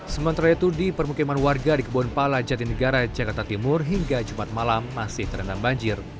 sementara itu di permukiman warga di kebun pala jatin negara jakarta timur hingga jumat malam masih terendam banjir